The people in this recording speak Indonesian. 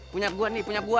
punya gua nih punya gua